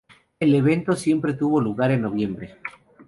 El evento siempre tuvo lugar en noviembre.